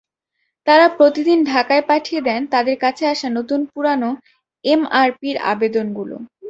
তারা প্রতিদিন ঢাকায় পাঠিয়ে দেন তাদের কাছে আসা নতুন-পুরোনো এমআরপির আবেদনগুলো।